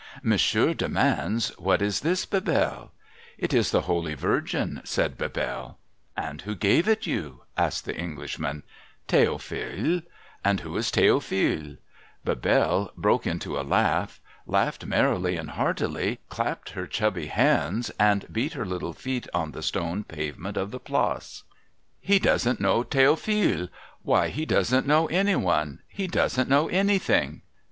' Monsieur demands, what is this, Bebelle ?'' It is the Holy Virgin,' said Bebelle. ' And who gave it you ?' asked the Englishman ' The'ophile.' ' And who is Theoi)hile ?' Bebelle broke into a laugh, laughed merrily and heartily, clapped her chubby hands, and beat her little feet on the stone pavement of the Place. THE CORPORAL AND BEBELLE DISAPPEAR 301 ' He doesn't know The'ophile ! Why, he doesn't know any one ! He doesn't know anything